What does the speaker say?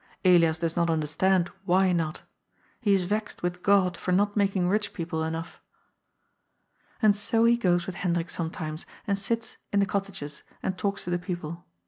Elias does not understand why not He is vexed with God for not making rich people enough. And so he goes with Hendrik sometimes, and sits in the AND A WISE MAN'S DEEDS. 287 cottages, and talks to the people.